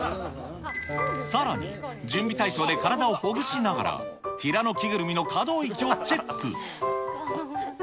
さらに、準備体操で体をほぐしながら、ティラノ着ぐるみの可動域をチェック。